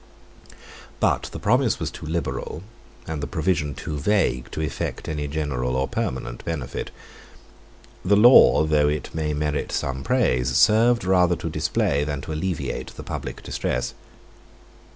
But the promise was too liberal, and the provision too vague, to effect any general or permanent benefit. 93 The law, though it may merit some praise, served rather to display than to alleviate the public distress.